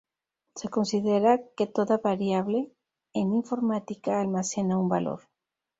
Se considera que toda variable, en informática, almacena un valor.